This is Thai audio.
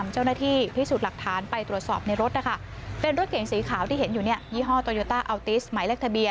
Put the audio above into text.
อยู่ประมาณ๔๐ปี